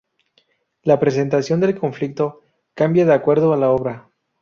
La presentación del conflicto cambia de acuerdo a la obra.